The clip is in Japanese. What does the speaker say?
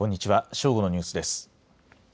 正午のニュースです。